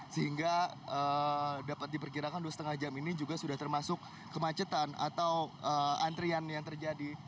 sehingga dapat diperkirakan dua lima jam ini juga sudah termasuk kemacetan atau antrian yang terjadi di pintu tol ciawi